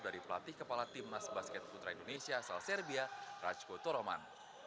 dari pelatih kepala timnas basket putra indonesia sal serbia rachko toroman